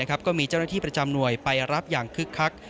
ก็มีเจ้าหน้าที่ประจำหน่วยไปรับอย่างคึกคัก